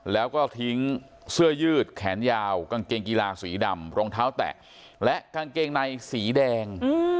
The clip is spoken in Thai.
แล้วก็ทิ้งเสื้อยืดแขนยาวกางเกงกีฬาสีดำรองเท้าแตะและกางเกงในสีแดง